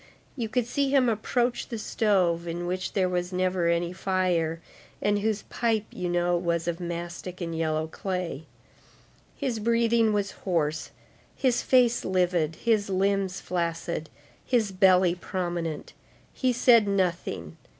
You could see him approach the stove, in which there was never any fire, and whose pipe, you know, was of mastic and yellow clay. His breathing was hoarse, his face livid, his limbs flaccid, his belly prominent. He said nothing.